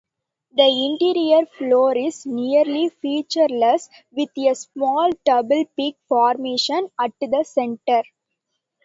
The interior floor is nearly featureless, with a small double-peak formation at the center.